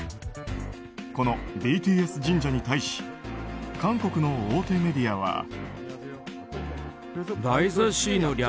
このＢＴＳ神社に対し韓国の大手メディアは。